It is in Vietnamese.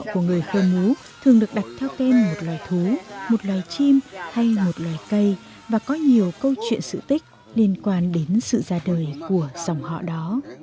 của người khơ mú thường được đặt theo tên một loài thú một loài chim hay một loài cây và có nhiều câu chuyện sự tích liên quan đến sự ra đời của dòng họ đó